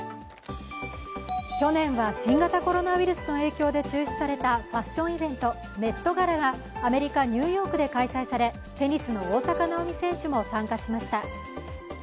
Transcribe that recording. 去年は新型コロナウイルスの影響で中止されたファッションイベント、メット・ガラがアメリカ・ニューヨークで開催されテニスの大坂なおみ選手も参加しました。